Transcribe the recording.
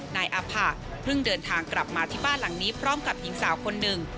นายอาผะเพิ่งเดินทางกลับมาที่บ้านหลังนี้พร้อมกับหญิงสาวคนหนึ่ง